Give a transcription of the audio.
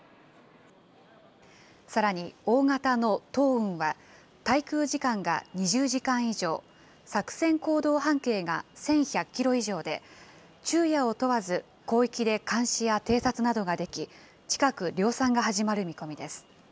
さらに大型の騰雲は、滞空時間が２０時間以上、作戦行動半径が１１００キロ以上で、昼夜を問わず広域で監視や偵察などができ、近く量産が始まる見込みです。